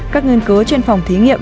các nghiên cứu trên phòng thí nghiệm